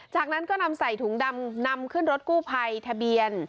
จากนั้นก็นำใส่ถุงดำนำขึ้นรถกู้ภัยทะเบียน